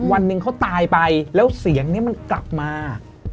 วันหนึ่งเขาตายไปแล้วเสียงนี้มันกลับมา